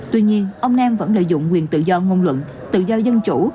tuy nhiên ông nam vẫn lợi dụng quyền tự do ngôn luận tự do dân chủ